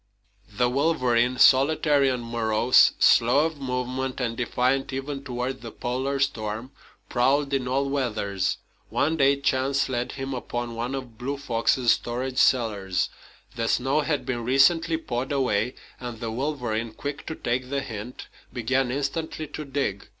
The wolverine, solitary and morose, slow of movement, and defiant even toward the Polar storm, prowled in all weathers. One day chance led him upon one of Blue Fox's storage cellars. The snow had been recently pawed away, and the wolverine, quick to take the hint, began instantly to dig.